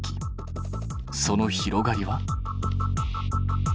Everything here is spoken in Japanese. その広がりは？